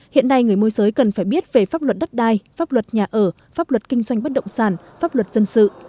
hiện nay người môi giới cần phải biết về pháp luật đất đai pháp luật nhà ở pháp luật kinh doanh bất động sản pháp luật dân sự